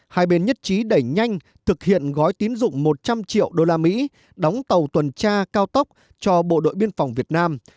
hai bên nhất trí đẩy nhanh thực hiện gói tín dụng một trăm linh triệu usd đóng tàu tuần tra cao tốc cho bộ đội biên phòng việt nam